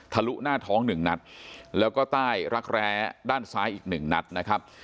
ทะลุหน้าท้อง๑นัดแล้วก็ใต้รักแร้ด้านซ้ายอีก๑นัดนะครับ